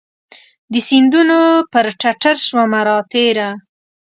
د سیندونو پر ټټرشومه راتیره